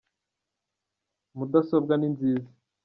mudasobwa ninziza